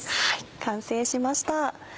完成しました。